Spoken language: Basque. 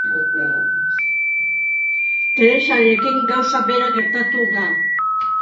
Telesailekin gauza bera gertatu da.